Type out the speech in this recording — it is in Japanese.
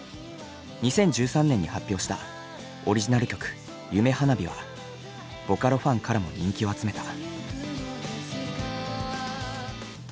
２０１３年に発表したオリジナル曲「夢花火」はボカロファンからも人気を集めた。